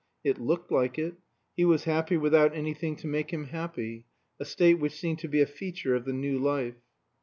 It looked like it; he was happy without anything to make him happy, a state which seemed to be a feature of the New Life.